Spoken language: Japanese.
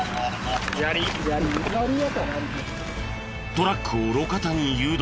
トラックを路肩に誘導。